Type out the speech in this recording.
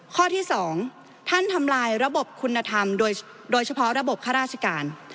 ข้อที่๒ท่านทำลายระบบคุณธรรมโดยเฉพาะระบบข้าราชการ